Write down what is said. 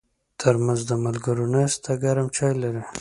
ترموز د ملګرو ناستې ته ګرم چای لري.